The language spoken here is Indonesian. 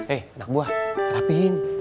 eh anak buah rapiin